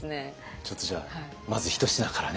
ちょっとじゃあまずひと品からね。